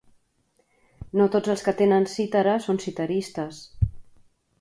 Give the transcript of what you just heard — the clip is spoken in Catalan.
No tots els que tenen cítara són citaristes.